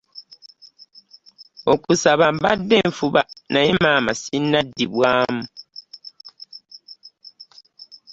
Okusaba mbadde nfuba naye maama, ssinnaddibwamu.